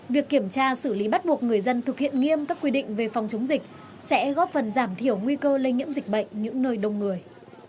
việc kiểm tra xử lý bắt buộc người dân thực hiện nghiêm các quy định về phòng chống dịch sẽ góp phần giảm thiểu nguy cơ lây nhiễm dịch bệnh những nơi đông người